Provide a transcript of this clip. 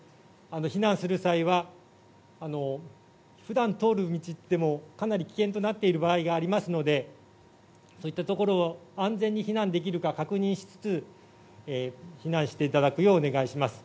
避難する際は、ふだん通る道でもかなり危険となっている場合がありますので、そういった所を安全に避難できるか確認しつつ、避難していただくようお願いします。